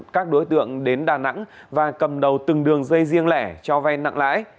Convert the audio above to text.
các đối tượng đến đà nẵng và cầm đầu từng đường dây riêng lẻ cho vay nặng lãi